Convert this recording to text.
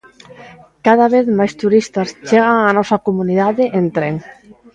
Cada vez máis turistas chegan á nosa comunidade en tren.